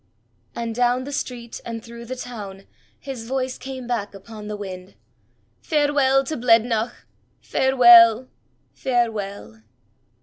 _" And down the street and through the town, his voice came back upon the wind: "_Farewell to Blednoch! Farewell! Farewell!